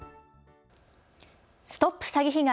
ＳＴＯＰ詐欺被害！